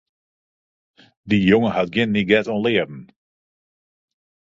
Dy jonge hat gjin niget oan learen.